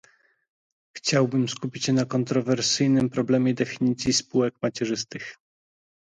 Chciałbym skupić się na kontrowersyjnym problemie definicji spółek macierzystych